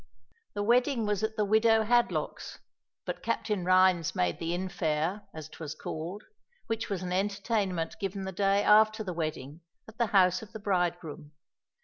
The wedding was at the widow Hadlock's; but Captain Rhines made the infare, as 'twas called, which was an entertainment given the day after the wedding at the house of the bridegroom.